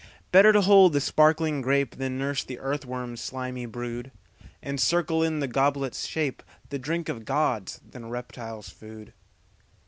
Better to hold the sparkling grapeThan nurse the earthworm's slimy brood, And circle in the goblet's shapeThe drink of gods than reptile's food.